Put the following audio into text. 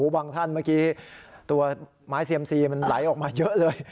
บางท่านเมื่อกี้ตัวไม้เซียมซีมันไหลออกมาเยอะเลย